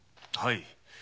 はい。